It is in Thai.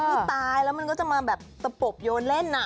ที่ตายแล้วมันก็จะมาแบบตะปบโยนเล่น